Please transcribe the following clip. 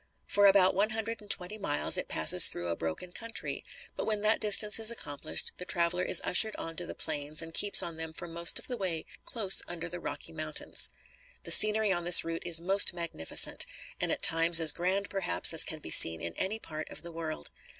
For about one hundred and twenty miles, it passes through a broken country, but when that distance is accomplished, the traveler is ushered on to the plains and keeps on them for most of the way close under the Rocky Mountains. The scenery on this route is most magnificent, and at times as grand perhaps as can be seen in any part of the world.